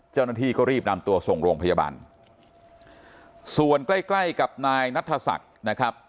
เจ้าหน้าที่ก็รีบนำตัวส่งโรงพยาบาลส่วนใกล้ใกล้กับนายนัทศักดิ์นะครับ